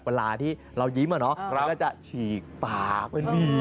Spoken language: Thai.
เวลาที่เรายิ้มเหรอนะเราก็จะฉีกปากเป็นหรี่